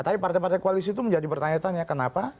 tapi partai partai koalisi itu menjadi pertanyaan ya kenapa